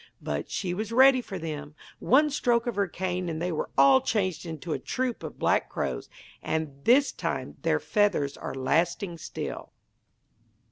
But she was ready for them. One stroke of her cane and they were all changed into a troop of black crows, and this time their feathers are lasting still.